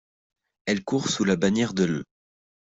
Elle court sous la bannière de l'.